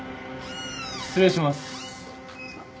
失礼します。